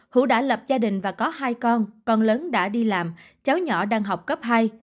hữu đã lập gia đình và có hai con con lớn đã đi làm cháu nhỏ đang học cấp hai